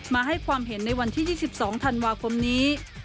มาให้ความเห็นในวันที่๒๒ธันวาคมนี้